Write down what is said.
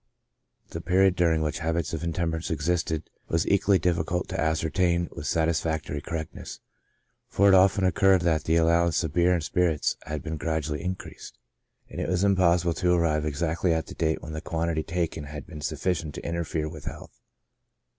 The period during which habits of intemperance existed was equally difficult to ascertain with satisfactory correct ness, for it often occurred that the allowance of beer and spirits had been gradually increased ; and it was impossible to arrive exactly at the date when the quantity taken had been sufficient to interfere with health.